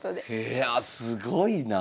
いやすごいな。